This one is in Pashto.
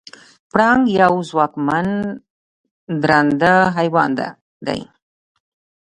پړانګ یو ځواکمن درنده حیوان دی.